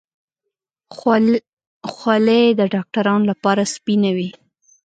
خولۍ د ډاکترانو لپاره سپینه وي.